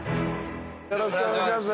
よろしくお願いします。